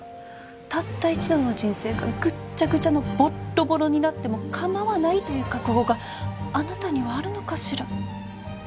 たった一度の人生がぐっちゃぐちゃのボッロボロになっても構わないという覚悟があなたにはあるのかしら？